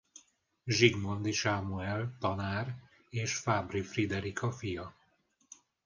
Zsigmondy Sámuel tanár és Fábry Friderika fia.